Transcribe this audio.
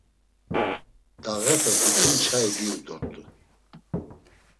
Dağepe bitum çayi diyu dort̆u.